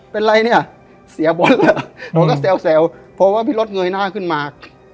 เป็นไรเนี่ยเสียบอลก็แซวเพราะว่าพี่รถเงยหน้าขึ้นมา